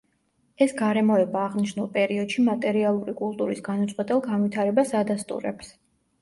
ეს გარემოება აღნიშნულ პერიოდში მატერიალური კულტურის განუწყვეტელ განვითარებას ადასტურებს.